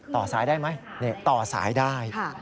ต่อสายได้ไหมต่อสายได้